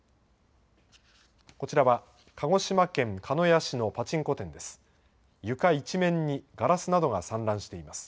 こちらは鹿児島県鹿屋市のパチンコ店です。